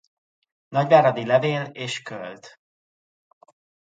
Nagyváradi levél és költ.